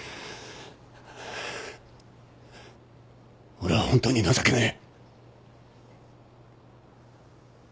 俺はホントに情けねえ。